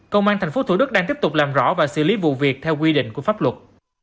công an tp thủ đức đang tiếp tục làm rõ và xử lý vụ việc theo quy định của pháp luật